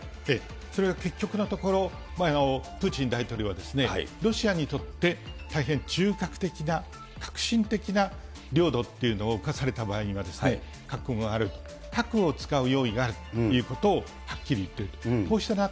それが結局のところ、プーチン大統領はロシアにとって大変中核的な核心的な領土っていうのを侵された場合には、覚悟がある、核を使う用意があるということを、はっきり言っている。